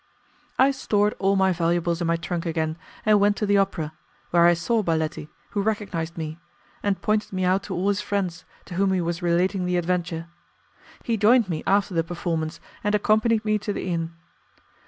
I stored all my valuables in my trunk again, and went to the opera, where I saw Baletti, who recognized me, and pointed me out to all his friends, to whom he was relating the adventure. He joined me after the performance, and accompanied me to the inn.